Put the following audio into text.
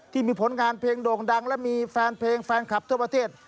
ที่มีผลงานเพลงโด่งดังและมีแฟนเพลงแฟนคลับทั่วประเทศ